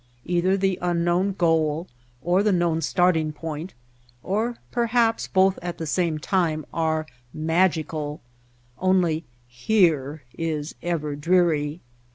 Either the unknown goal, or the known starting point, or perhaps both at the same time, are magical; only "here" is ever dreary.